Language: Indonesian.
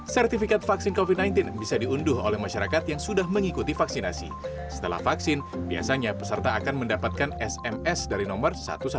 sertifikat vaksin covid sembilan belas bisa diunduh oleh masyarakat yang sudah mengikuti vaksinasi setelah vaksin biasanya peserta akan mendapatkan sms dari nomor satu ratus dua belas